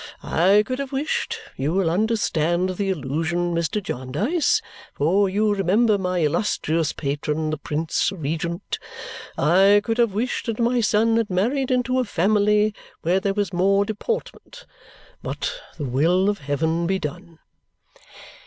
I could have wished you will understand the allusion, Mr. Jarndyce, for you remember my illustrious patron the Prince Regent I could have wished that my son had married into a family where there was more deportment, but the will of heaven be done!"